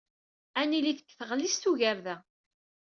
Ad nili deg tɣellist ugar da.